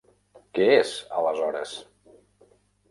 Què és, aleshores?